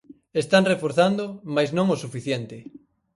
Están reforzando, mais non o suficiente.